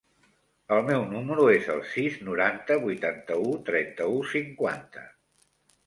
El meu número es el sis, noranta, vuitanta-u, trenta-u, cinquanta.